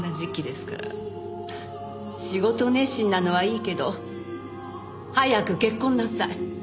仕事熱心なのはいいけど早く結婚なさい。